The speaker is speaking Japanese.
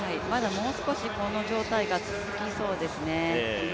もう少しこの状態が続きそうですね。